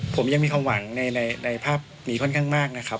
ผมยังมีความหวังในภาพนี้ค่อนข้างมากนะครับ